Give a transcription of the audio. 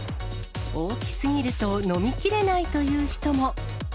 大きすぎると飲みきれないという人も。